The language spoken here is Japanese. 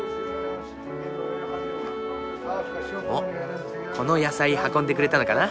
おっこの野菜運んでくれたのかな？